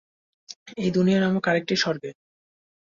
এই দুনিয়া নামক আরেকটি স্বর্গে!